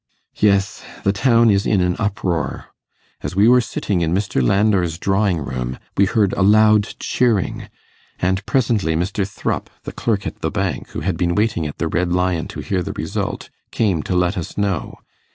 'Yes; the town is in an uproar. As we were sitting in Mr. Landor's drawing room we heard a loud cheering, and presently Mr. Thrupp, the clerk at the bank, who had been waiting at the Red Lion to hear the result, came to let us know.